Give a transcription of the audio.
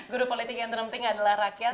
guru politik yang terpenting adalah rakyat